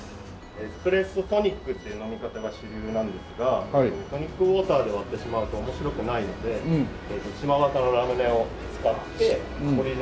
エスプレッソトニックっていう飲み方が主流なんですがトニックウォーターで割ってしまうと面白くないので柴又のラムネを使ってオリジナルのメニューに。